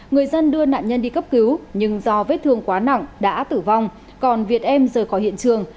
người dân đưa nạn nhân đi cấp cứu nhưng do vết thương quá nặng đã tử vong còn việt em rời khỏi hiện trường